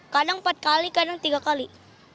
kadang empat kali kadang tiga kali